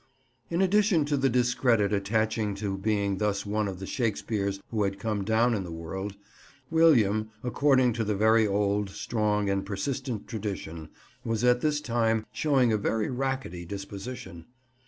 In addition to the discredit attaching to being thus one of the Shakespeares who had come down in the world, William, according to the very old, strong and persistent tradition, was at this time showing a very rackety disposition.